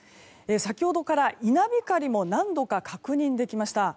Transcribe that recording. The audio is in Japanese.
先ほどから、稲光も何度か確認できました。